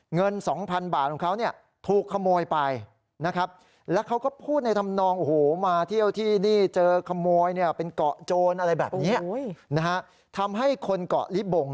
เงิน๒๐๐๐บาทของเขาเนี่ยถูกขโมยไปนะครับ